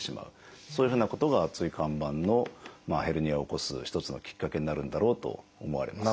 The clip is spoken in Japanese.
そういうふうなことが椎間板のヘルニアを起こす一つのきっかけになるんだろうと思われます。